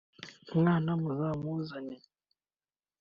umwana muzamuzane